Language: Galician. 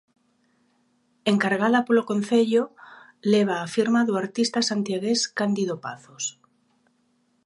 Encargada polo concello, leva a firma do artista santiagués Cándido Pazos.